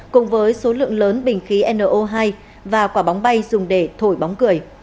cùng với số lượng lớn bình khí no hai và quả bóng bay dùng để thổi bóng cười